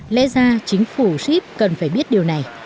lẽ ra chính phủ shib cần phải biết điều này